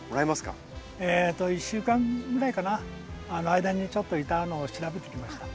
えと１週間ぐらいかな間にちょっといたのを調べてきました。